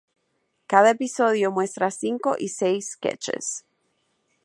Cada episodio muestra cinco y seis sketches.